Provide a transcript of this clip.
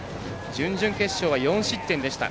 準々決勝は４失点でした。